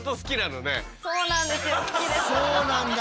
そうなんだ。